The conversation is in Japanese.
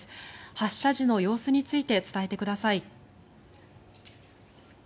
発射時の様子について伝えてください。